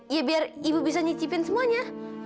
ya biar ibu bisa nyicipin semuanya